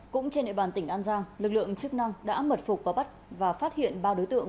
cũng trên địa bàn tỉnh an giang lực lượng chức năng đã mật phục và bắt và phát hiện ba đối tượng